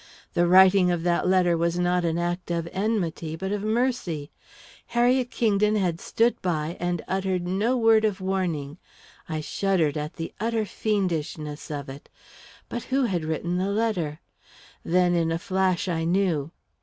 The writing of that letter was not an act of enmity, but of mercy. Harriet Kingdon had stood by and uttered no word of warning I shuddered at the utter fiendishness of it! But who had written the letter? Then, in a flash, I knew!